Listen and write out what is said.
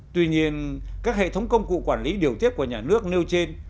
tuy nhiên các hệ thống công cụ quản lý điều tiết của nhà nước nêu trên